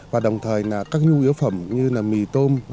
và đồng thời các nhu yếu phẩm như mì tôm